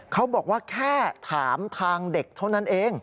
เขาบอกว่าแค่ถามทางเด็กเท่านั้นเอง